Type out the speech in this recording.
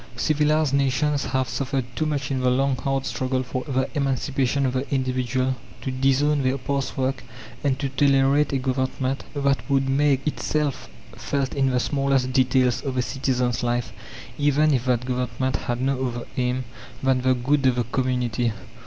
Civilized nations have suffered too much in the long, hard struggle for the emancipation of the individual, to disown their past work and to tolerate a Government that would make itself felt in the smallest details of a citizen's life, even if that Government had no other aim than the good of the community.